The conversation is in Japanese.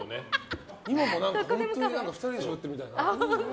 今も本当に２人でしゃべってるみたいな。